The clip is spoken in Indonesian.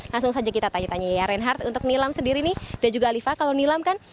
langsung saja kita tanya tanya ya reinhardt untuk nilam sendiri nih dan juga alifa kalau nilam kan